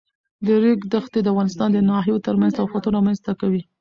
د ریګ دښتې د افغانستان د ناحیو ترمنځ تفاوتونه رامنځ ته کوي.